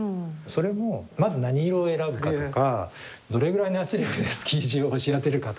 それもまず何色を選ぶかとかどれぐらいの圧力でスキージを押し当てるかとか。